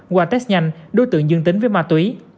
qua test nhanh đối tượng dương tính với ma túy